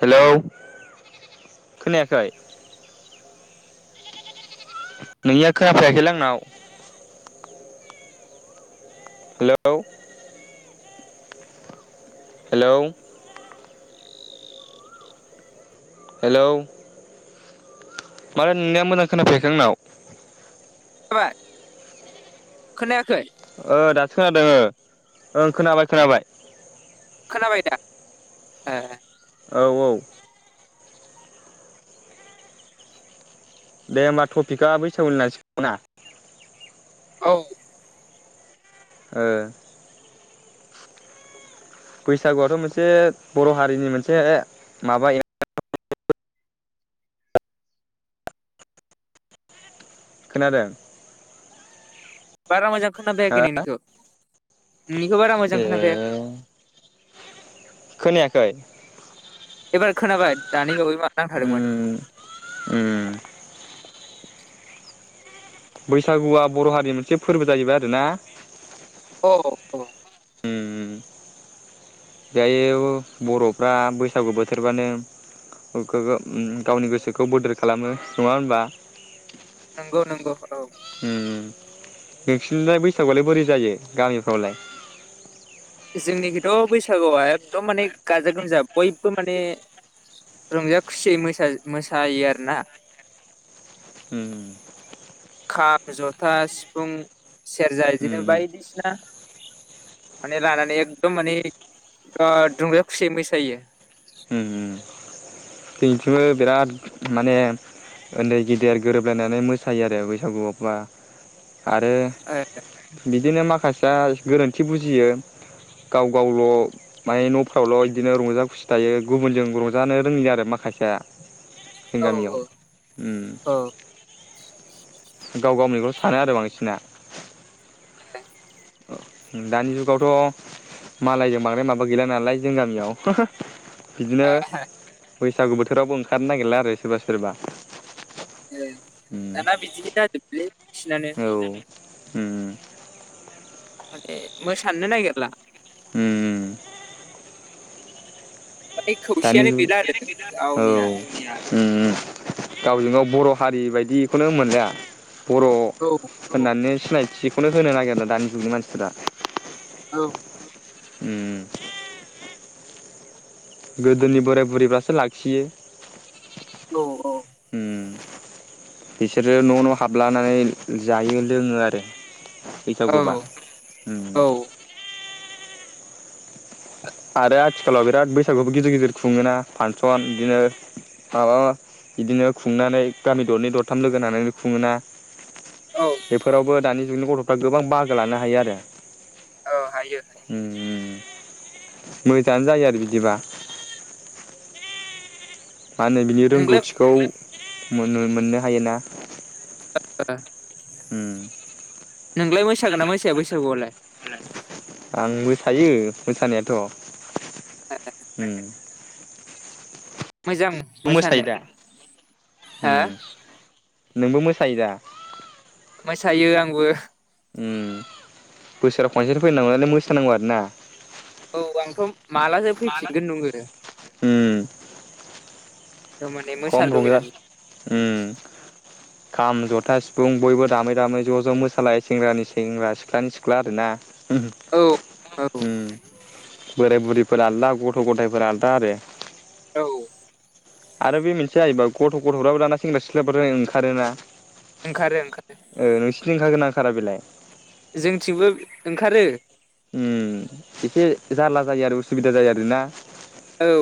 Hello खोनायाखै? नोंनिया खोनफायाखैलै आंनाव हेलौ हेलौ। हेलौ मार नोंनिया मोजां खोनाफैयाखै आंनाव। जाबाय खोनायाखै ओ दासो खोनादों ओ खोनाबाय खोनाबाय। खोनाबाय दा ए औ औ दे होमबा टपिकआ बैसागु लासि [unintelligible] ना औ ओ बैसागुआथ' मोनसे बर' हारिनि मोनसे माबा ए खोनादों बारा मोजां हा खोनाफैयाखै नोंनिखौ नोंनिखौ बारा मोजां ए खोनाफैयाखै खोनायाखै एबार खोनाबाय दानिबावै ओम ओम [unintelligible] बैसागुआ बर' हारिनि मोनसे फोरबो जाहैबाय आरोना। औ औ ओम दायो बर'फ्रा बैसागु बोथोरबानो गावनि गोसोखौ बोदोर खालामो नङा होनबा? नंगौ नंगौ औ उम नोंसोरनिलाय बैसागुआलाय बोरै जायो गामिफ्रावलाय? जोंनिखौथ' बैसागुआ एखदम माने गाजा गोमजा बयबो माने रंजा खुसियै मोसायो आरोना। उम खाम, जथा, सिफुं, सेरजा उम बिदिनो बायदिसिना माने लानानै एकदम माने ओ दुंगा खुसियै मोसायो। उम जोंनिथिंबो बिराद माने उन्दै गेदेर गोरोबलायनानै मोसायो आरो बैसागुआवबा। आरो बिदिनो माखा माखासेया गोरोन्थि बुजियो गाव गावल' माने न'फ्रावल' बिदिनो रंजा खुसि थायो गुबुनजों रंजानो रोङि आरो माखासे जों ओ औ गामियाव उम औ गाव गावनिखौल' सानो आरो बांसिना [unintelligible] दानि जुगावथ' मालायजों बांद्राय माबा गैला नालाय जों गामियाव। बिदिनो बैसागु बोथोरावबो ओंखारनो नागिरला आरो सोरबा सोरबा। ए उम दाना बिदिनो जाजोबलै बांसिनानो। औ उम माने मोसानोनो नागिरला उम माने दानि खौसेयानो जुग गैला आरो औ गावनिया उम उम गावजों गाव बर' फारि बायदियिखौनो मोनला बर' औ होननानै सिनायथिखौनो होनो नागिरला आरो ना दानि जुगनि मानसिफोरा। औ उम गोदोनि बोराय बुरैफ्रासो लाखियो। औ हम बिसोरो न' न' हाबलानानै जायो लोङो आरो बैसागुबा औ [unintelligible] आरो आथिखालाव बिराद बैसागुबो गिदिर गिदिर खुङोना फांसन इदिनो माबा इदिनो खुंनानै गामि दरनै दरथाम लोगो नानानै खुङोना। औ बेफोरावबो दानि जोंनि गथ'फ्रा गोबां बाहागो लानो हायो आरो। औ हायो हायो उम मोजाङानो जायो आरो बिदिबा मा होनो बिनि नोंलाय रोंगौथिखौ। मोननो मोननो हायोना। [unintelligible] उम नोंलाय मोसागोन ना मोसाया बैसागुआवलाय? आं मोसायो मोसानायाथ' हम [inaudible] मोजां मोसानो मोसायो दा हा उम नोंबो मोसायो दा? मोसायो आंबो उम बोसोराव खनसे फै न मोसानांगौ लाय मोसानांगौ आरोना। औ आंथ' मालाजो फैफिनगोन नोङो। खम रंजा उम खाम, जथा, सिफुं बयबो दामै दामै ज' ज' मोसालायो सेंग्रानि सेंग्रा सिख्लानि सिख्ला आरोना। उम औ औ उम बोराय बुरिफोर आलादा गथ' गथ' गथायाइफोरा आलदा आरो औ आरो बे मोनसे जायोबा गथ' गथ'फ्राबो दाना सेंग्रा सिख्लाफोर ओंखारोना। ओंखारो ओंखारो ओ नोंसिनिथिं ओंखारो ना खारा बिलाइ जों थिंबो ओंखारो उम एसे जारला जायो आरो उसुबिदा जायो आरोना। औ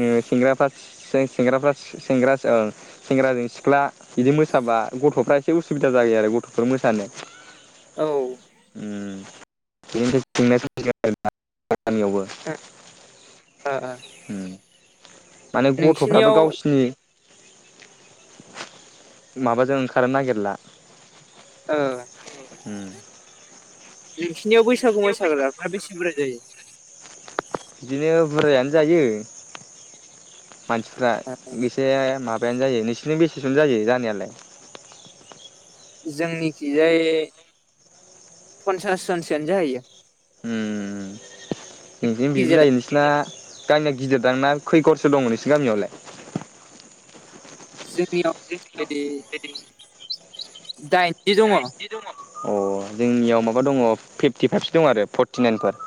ओम सिंग्राफा जों सेंग्राफ्रा सेंग्रा ओं सेंग्राजों सिख्ला बिदि मोसाबा गथ'फ्रा एसे उसुबिदा जायो आरो गथ'फोर मोसानो औ उम [unintelligible] गामियावबो उम माने गथ'फ्राबो नोंसिनियाव गावसिनि माबाजों ओंखारनो नागिरला उम नोंसिनियाव बैसागु मैसाग्राफ्रा बेसे बुरजा जायो बिदिनो बुरजायानो जायो मानसिफ्रा बेसे मा बायानो जायो नोंसिनिथिं बेसेसिम जायो जानायालाय जोंनिखिजाय पन्सास जनसोआनो जाहैयो उम जोंनिथिं बिदिनो खिजालाय जायो नोंसिना गामिया गिदिर दां ना खैगरसो दङ नोंसोर गामियावलाय जों [unintelligible] [unintelligible] [unintelligible] अ जोंनियाव माबा दङ फिफ्टिफाइभसो दं आरो फर्टिनाइनफोर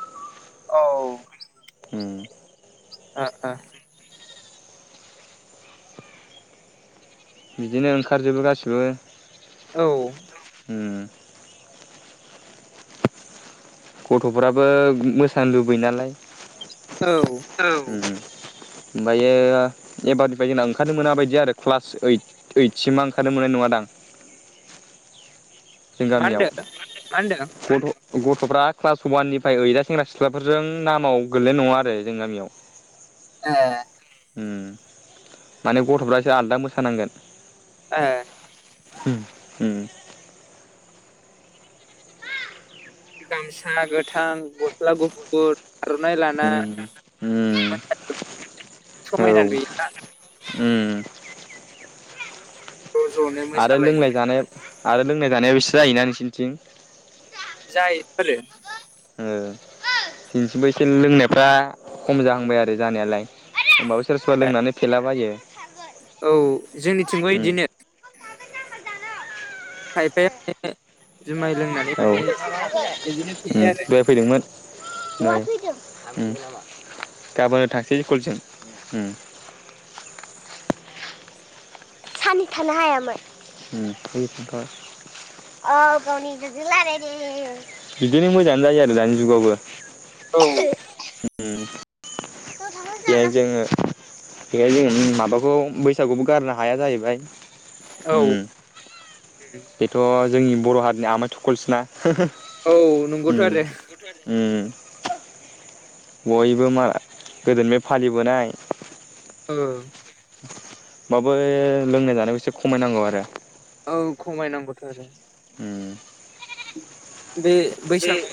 ओ ओ ओ बिदिनो ओंखारजोबो गासिबो औ उम गथ'फ्राबो मोसानो लुबैयो नालाय औ उम ओमफ्रायो एबारनिफ्राय जोंना ओंखारनो मोना बायदि आरो क्लास ओइट ओइट सिमा ओंखारनो मोननाय नङादां जों मा गामियाव होनदों मा होनदों गथ' गथ'फ्रा क्लास ववाननिफ्राय ओइदा सेंग्रा सिख्लाफोरजों नामाव गोगल्लैनाय नङा आरो जोंनि गामियाव ए उम माने गथ'फ्रासो आलदा मोसानांगोन ए उम उम गामसा गो थां गस्ला गुफुर आर'नाइ लाना उम उम [unintelligible] औ समायना नुयोना उम ज' ज'नो आरो मोसालायनो लोंनाय जानाय आरो लोंनाय जानाया एसे जायोना नोंसोरनिथिं जायफोरो जोंनिसिमबो एसे लोंनायफ्रा खम जाहांबाय आरो जानायालाय होनबाबो सोरबा सोरबा लोंनानै फेलाबायो औ जोंनिथिंबो उम बिदिनो खायफाया [unintelligible] लोंनानै औ माने बिदिनो फेयो आरो बेराय फैदोंमोन उम गाबोन थांसै स्कुलसिम सानै थानो हायामोन औ बिदिनो मोजाङानो जायो आरो दानि जुगावबो औ बे जोङो बेहाय जों माबाखौ बैसागुबो गारनो हाया जाहैबाय औ उम बेथ' जोंनि बर' हारिनि आमाइ थखलसोना औ उम नंगौथ' आरो उम गयबो माला गोदोनिनि फालिबोनाय ओ होनबाबो लोंनाय जानायाव एसे खमायनांगौ आरो औ खमायनांगौथ' आरो उम [inaudible] बे बैसागुआ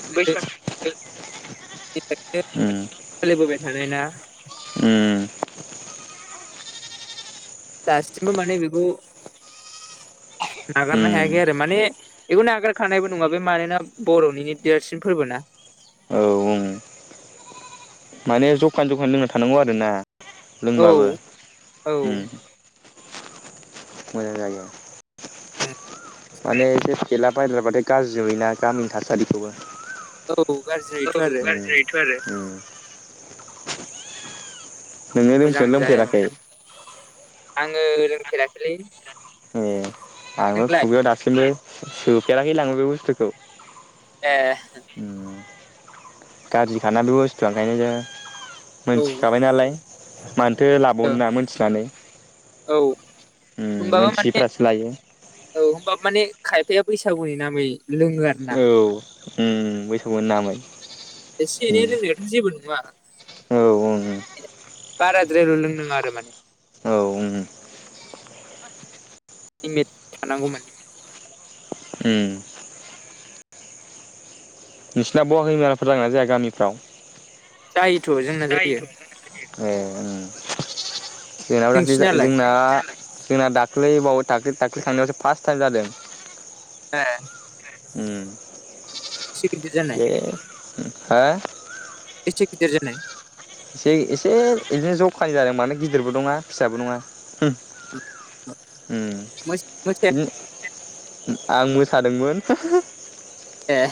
उम सोलिबोबाय थानाय ना उम दासिमबो माने बिखौ नागारना उम हायाखै आरो माने बेखौनो नागार खानायबो नङा बे मानोना बर'निनो देरसिन फोरबो ना औ उम माने जखान जखान लों थानांगौ आरो ना औ लोंबाबो औ उम मोजां जायो उम माने जे फेला बायलाबायग्राबाथाय गाज्रि गाज्रि नुयोना गामिनि थासारिखौबो गाज्रिथ' औ आरो गाज्रि जायो थ' आरो उम नोङो मोजां लोंफेरदोंना लोंफेराखै ङो लोंफेराखैलै ए आंनो खुगायाव दासिमबो सोफेराखै लाङो बे बुस्थुखौ ए उम गाज्रिखाना बे बुस्थुआ ओंखायनो जों औ मोनथिखाबाय नालाय मानो थो लाबावनो ना मोनथिनानै औ उम होमबाबो माने मोनथियैफ्रासो लायो। औ होमबाबो माने खायफाया बैसागुनि नामै लुङो आरो ना औ उम बैसागुनि नामै एसे एनै उम लोंनायाथ' जेबो नङा औ उम बाराद्राल' लोंनो नाङा आरो‌ माने औ ओं लिमेट थानांगौ माने उम नोंसिना बह हैमानलाफोर जागोन जाया गामिफ्राव जायोथ' जोंना जायो जायोथ' ए ओं [inaudible] जोंनाबो दाखलि नोंसिनालाय जोंना जोंना दाख्लैबावै दाख्लै दाख्लै थांनायावसो फार्स्ट टाइम जादों। ए उम गिदिर जानाय बे उम हा बेसिगिदेर जानाय एसे एसे बिदिनो ज' खानि जादों मानो गिदिरबो नङा फिसाबो नङा उम मोस- मोसाया बिदिनो आं सादोंमोन ए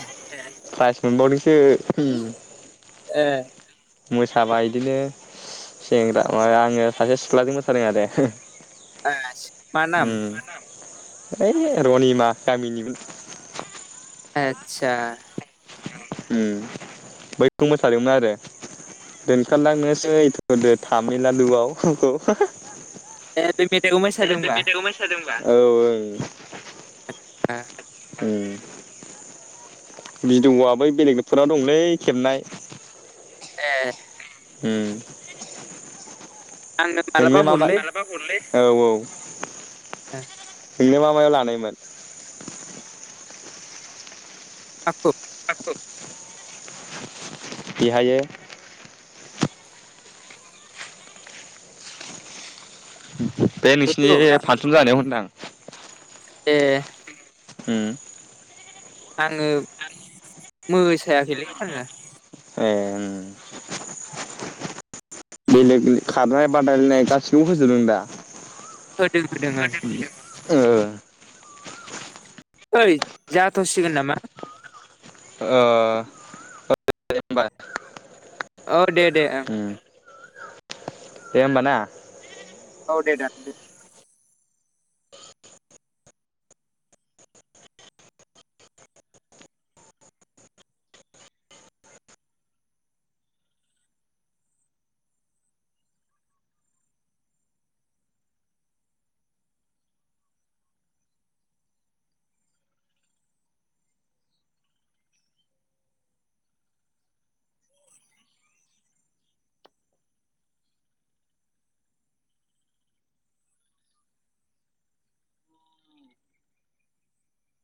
फ्राइस मोनबाव दों सो हम ए मोसाबा इदिनो सेंग्रा मा आङो सासे सिख्लाजों मोसादों आरो। आस मा नाम? ओइ रनिमा गामिनिमोन आदसा उम बैखौ मोसादोंमोन आरो दोनखारलांनोसै‌ थुदो तामिल लाडुआव खौ ए बे मेथाइखौ मोसादों बे होनबा? मेथाइखौ मोसादोंबा औ ओं आ ओम भिडआ बै बेलेगफोराव दंलै खेबनाय ए उम आंनो मालाबा नोंलाय मा मा हरलै मालाबा हरलै औ औ। [inaudible] आ नोंलाय मा मायाव लानायमोन? [inaudible] बेहायो [inaudible] बे नोंसिनि आंखौ ना फान्सन जानायाव होन्दां। ए उम। आङो मोसायाखैलै आङो। ए उम बेलेग खारनाय बादायलायनाय गासिखौबो होजोबदों दा? होदों होदों ओं होदों ओं। [inaudible] ओइ जाथ'सिगोन नामा? ओ [unintelligible] औ दे दे ओं। दे होनबा ना औ दे दानदो?